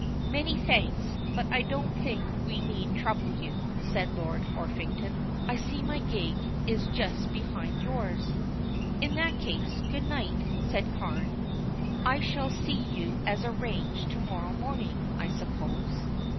"Many thanks, but I don't think we need trouble you," said Lord Orpington. "I see my gig is just behind yours." "In that case, good night," said Carne. "I shall see you as arranged, to morrow morning, I suppose?"